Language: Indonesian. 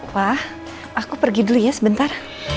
wah aku pergi dulu ya sebentar